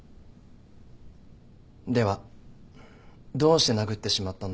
ではどうして殴ってしまったんだ？